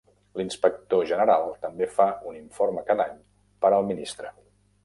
L'inspector general també fa un informe cada any per al ministre.